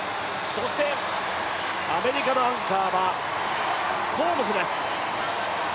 そして、アメリカのアンカーはホームズです。